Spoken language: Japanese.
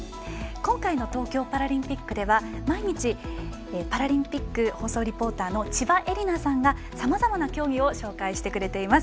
今回の東京パラリンピックでは毎日、パラリンピック放送リポーターの千葉絵里菜さんがさまざまな競技を紹介してくれています。